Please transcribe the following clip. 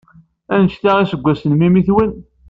Anect iseggasen n memmi-twen?